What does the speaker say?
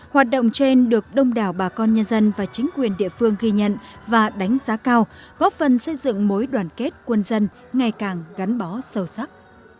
hoạt động trên được đông đảo bà con nhân dân và chính quyền địa phương ghi nhận và đánh giá cao góp phần xây dựng mối đoàn kết quân dân ngày càng gắn bó sâu sắc